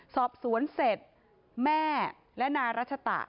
สอบสวนเสร็จแม่และนายรัชตะ